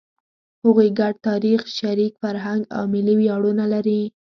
هغوی ګډ تاریخ، شریک فرهنګ او ملي ویاړونه لري.